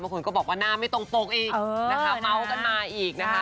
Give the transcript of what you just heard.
คนก็บอกว่าหน้าไม่ตรงปกอีกนะคะเมาส์กันมาอีกนะคะ